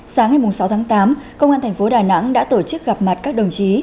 sáng ngày sáu tháng tám công an thành phố đà nẵng đã tổ chức gặp mặt các đồng chí